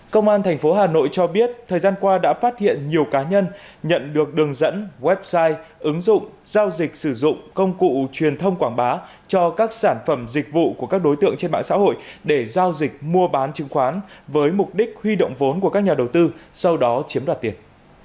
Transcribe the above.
công an tp hà nội cho biết thời gian qua đã phát hiện nhiều cá nhân nhận được đường dẫn website ứng dụng giao dịch sử dụng công cụ truyền thông quảng bá cho các sản phẩm dịch vụ của các đối tượng trên mạng xã hội để giao dịch mua bán chứng khoán với mục đích huy động vốn của các nhà đầu tư sau đó chiếm đoạt tiền